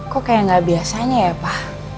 kok kayak gak biasanya ya pak